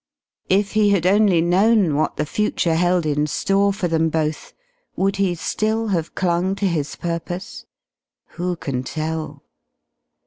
If he had only known what the future held in store for them both, would he still have clung to his purpose? Who can tell?